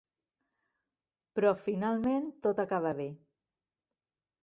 Però finalment tot acaba bé.